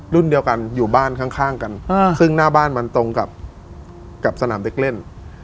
รุ่นเดียวกันอยู่บ้านข้างกันซึ่งหน้าบ้านมันตรงกับสนามเด็กเล่น